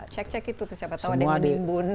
cek cek itu siapa tahu ada yang menimbun